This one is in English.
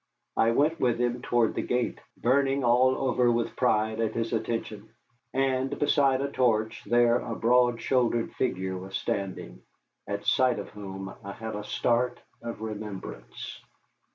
I went with him toward the gate, burning all over with pride at this attention, and beside a torch there a broad shouldered figure was standing, at sight of whom I had a start of remembrance.